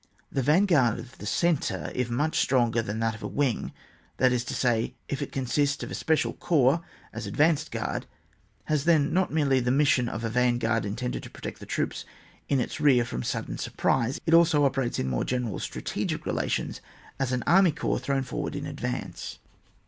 The van guard of the centre, if much stronger than that of a wing, that is to eay, il it consists of a special coips as advanced guard, has then not merely the mission of a van guard intended to protect the troops in its rear from sudden surprise; it also operates in more general strategic relations as an army corps thrown forward in advance.